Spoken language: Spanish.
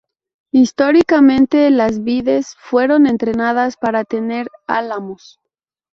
Históricamente las vides fueron entrenadas para tener álamos.